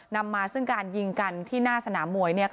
นำมาซึ่งการยิงกันที่หน้าสนามมวย